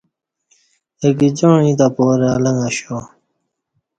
اہ گجاعں ییں تو پارہ النگ اَشا